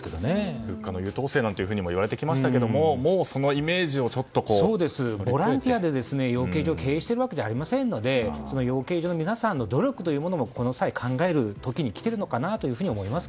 物価の優等生と言われていましたがボランティアで養鶏場を経営しているわけではありませんので養鶏場の皆さんの努力というのもこの際考えるべき時に来ているのかなと思います。